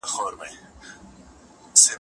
په یوه بله دونیا